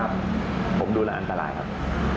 ผมดูแล้วอันตรายครับ